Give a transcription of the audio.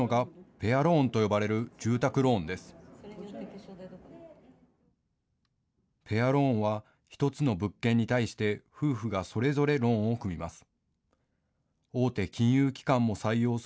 ペアローンは１つの物件に対して夫婦がそれぞれローンを組みます。